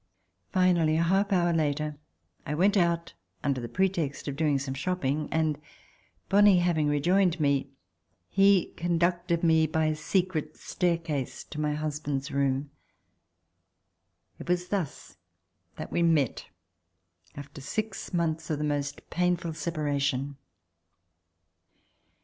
Finally, a half hour later, I went out under the pretext of doing some shopping, and Bonle hav ing rejoined me, he conducted me by a secret stair case to my husband's room. It was thus that we met after six months of the most painful separation.